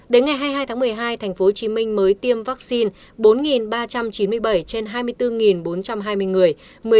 đến ngày hai mươi hai tháng một mươi hai tp hcm mới tiêm vaccine bốn ba trăm chín mươi bảy trên hai mươi bốn bốn trăm hai mươi người